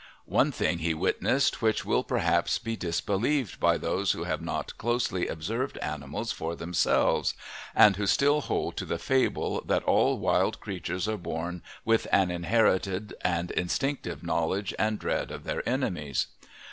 One thing he witnessed which will perhaps be disbelieved by those who have not closely observed animals for themselves, and who still hold to the fable that all wild creatures are born with an inherited and instinctive knowledge and dread of their enemies.